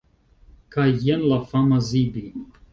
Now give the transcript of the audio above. Kaj jen la fama Zibi!